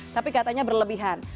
tapi katanya berlebihan